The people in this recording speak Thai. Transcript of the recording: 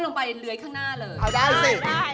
ปลอบมือให้ได้หน่อย